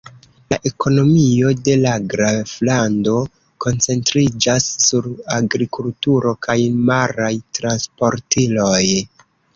La ekonomio de la graflando koncentriĝas sur agrikulturo kaj maraj transportiloj.